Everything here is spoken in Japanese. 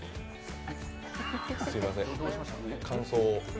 すみません、感想を。